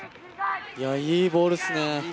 いいボールですね。